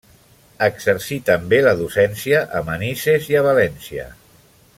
Exercí també la docència, a Manises i a València.